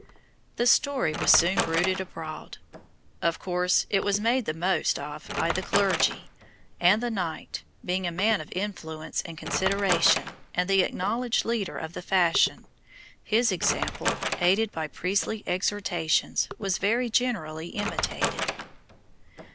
The story was soon bruited abroad; of course it was made the most of by the clergy, and the knight, being a man of influence and consideration, and the acknowledged leader of the fashion, his example, aided by priestly exhortations, was very generally imitated.